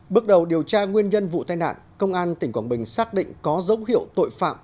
bước đầu điều tra nguyên nhân vụ tai nạn công an tỉnh quảng bình xác định có dấu hiệu tội phạm